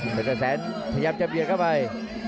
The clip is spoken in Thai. แต่แสนพยายามจะเบียดเข้าไป